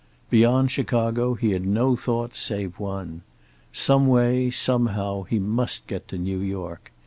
Beyond Chicago he had no thought save one. Some way, somehow, he must get to New York.